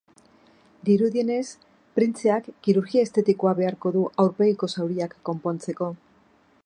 Dirudienez, printzeak kirurgia estetikoa beharko du aurpegiko zauriak konpontzenko.